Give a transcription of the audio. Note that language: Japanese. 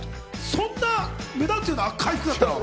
そんな目立つような赤い服だったの？